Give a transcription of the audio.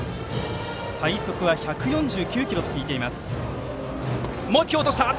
最速は１４９キロと聞いています、近藤。